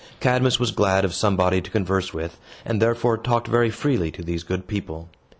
Cadmus was glad of somebody to converse with, and therefore talked very freely to these good people.